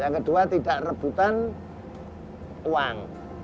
yang kedua tidak rebutan uang